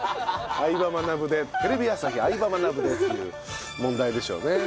『相葉マナブ』でテレビ朝日『相葉マナブ』でっていう問題でしょうね。